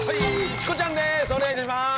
チコちゃんです